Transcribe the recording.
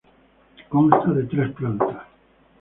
Consta de tres plantas.